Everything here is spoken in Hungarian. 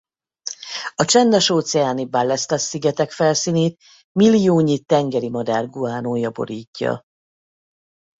A csendes-óceáni Ballestas-szigetek felszínét milliónyi tengeri madár guanója borítja.